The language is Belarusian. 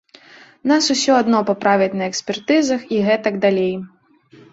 Нас усё адно паправяць на экспертызах і гэтак далей.